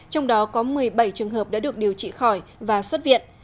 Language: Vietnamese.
trong đó có một mươi bảy trường hợp đã được điều trị khỏi và xuất viện